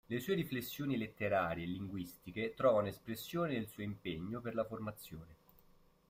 Le sue riflessioni letterarie e linguistiche trovano espressione nel suo impegno per la formazione.